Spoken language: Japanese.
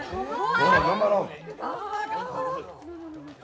頑張ろう。